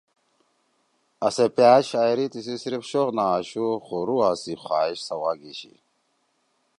آسے پأش شاعری تیِسی صرف شوق نہ آشُو خو رُوحا سی خواہش سوا گأشی